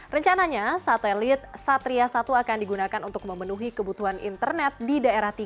rencananya satelit satria satu akan digunakan untuk memenuhi kebutuhan internet di daerah tiga